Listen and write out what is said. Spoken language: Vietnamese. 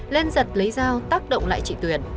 lên giật lấy dao tác động lại chị tuyền